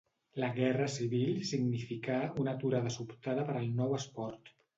La Guerra Civil significà una aturada sobtada per al nou esport.